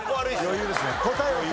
余裕ですね余裕。